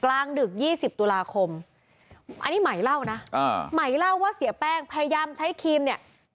อันนี้หมายเล่านะหมายเล่าว่าเสียแป้งพยายามใช้ครีมเนี่ย